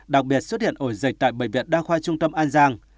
đặc biệt xuất hiện ổ dịch tại bệnh viện đa khoa trung tâm an giang